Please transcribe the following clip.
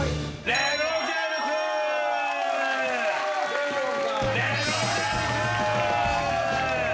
レブロン。